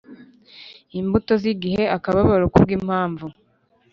imbuto zigihe, akababaro kubwimpamvu